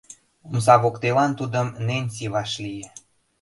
Омса воктелан тудым Ненси вашлие.